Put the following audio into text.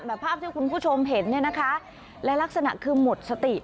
ภาพที่คุณผู้ชมเห็นเนี่ยนะคะและลักษณะคือหมดสติ